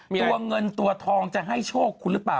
ตัวเงินตัวทองจะให้โชคคุณหรือเปล่า